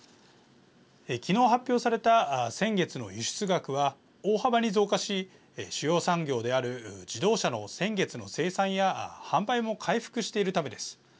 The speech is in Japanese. きのう発表された先月の輸出額は大幅に増加し主要産業である自動車の先月の生産や販売も回復しているためです。